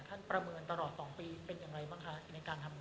ประเมินตลอด๒ปีเป็นอย่างไรบ้างคะในการทำงาน